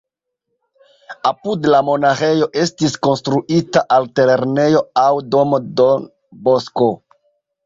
Apud la monaĥejo estis konstruita altlernejo aŭ domo Don Bosco.